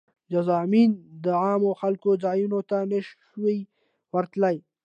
جذامیان د عامو خلکو ځایونو ته نه شوای ورتلی.